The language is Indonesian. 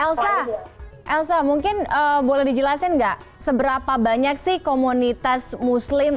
elsa elsa mungkin boleh dijelasin nggak seberapa banyak sih komunitas muslim